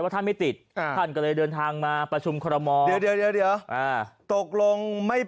ว่าท่านไม่ติดท่านก็เลยเดินทางมาประชุมครมอคตกลงไม่